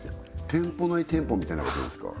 店舗内店舗みたいなことですか